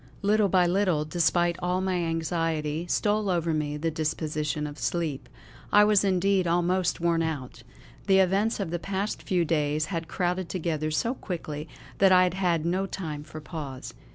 Little by little, despite all my anxiety, stole over me the disposition of sleep. I was indeed almost worn out. The events of the past few days had crowded together so quickly that I had had no time for pause.